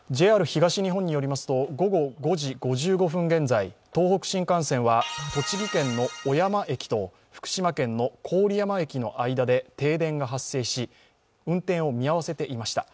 ＪＲ東日本によりますと午後５時５５分現在東北新幹線は栃木県の小山駅と福島県の郡山駅の間で停電が発生し運転を見合わせていました。